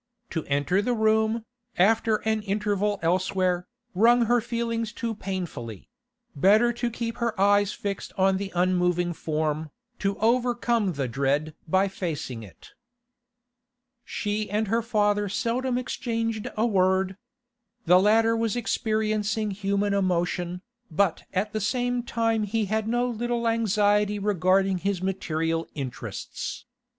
To enter the room, after an interval elsewhere, wrung her feelings too painfully; better to keep her eyes fixed on the unmoving form, to overcome the dread by facing it. She and her father seldom exchanged a word. The latter was experiencing human emotion, but at the same time he had no little anxiety regarding his material interests.